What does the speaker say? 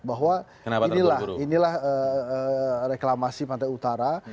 bahwa inilah inilah reklamasi pantai utara